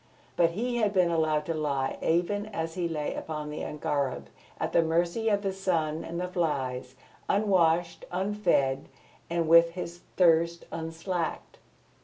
But he had been allowed to lie, even as he lay upon the angareb, at the mercy of the sun and the flies, unwashed, unfed, and with his thirst unslaked.